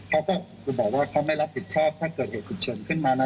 เขาก็จะบอกว่าเขาไม่รับผิดชอบถ้าเกิดเหตุฉุกเฉินขึ้นมานะ